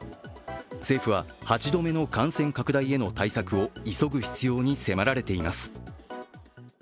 政府は８度目の感染拡大への対策を急ぐ必要に迫られています。